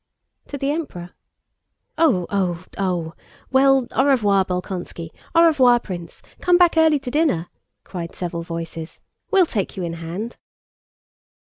"To the Emperor." "Oh! Oh! Oh!" "Well, au revoir, Bolkónski! Au revoir, Prince! Come back early to dinner," cried several voices. "We'll take you in hand."